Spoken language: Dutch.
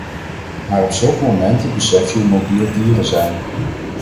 Maar op zulke momenten besef je hoe mobiel dieren zijn.